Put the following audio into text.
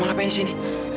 mama ngapain di sini